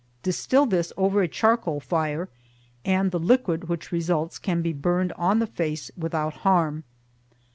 Distill this over a charcoal fire, and the liquid which results can be burned on the face without harm.